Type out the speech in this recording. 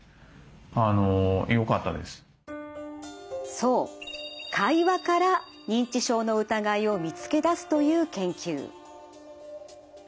そう会話から認知症の疑いを見つけ出すという研究。